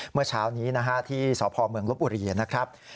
เมื่อเช้านี้นะฮะที่สพเมืองลบบุรีนะครับ